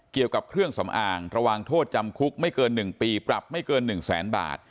เกี่ยวกับเครื่องสำอางระวังโทษจำคุกไม่เกิน๑ปีปรับไม่เกิน๑แสนบาท